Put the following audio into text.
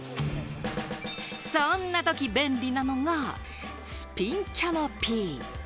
そんなとき便利なのが、スピンキャノピー。